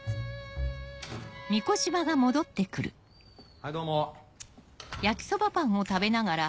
はいどうも。